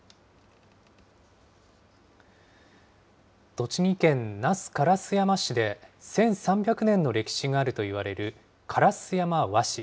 栃木県那須烏山市で、１３００年の歴史があるといわれる烏山和紙。